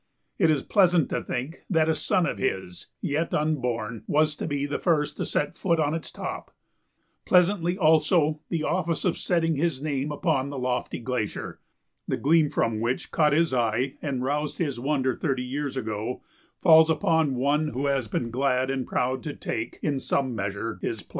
It is pleasant to think that a son of his, yet unborn, was to be the first to set foot on its top; pleasantly also the office of setting his name upon the lofty glacier, the gleam from which caught his eye and roused his wonder thirty years ago, falls upon one who has been glad and proud to take, in some measure, his place.